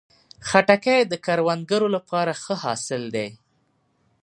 خټکی د کروندګرو لپاره ښه حاصل دی.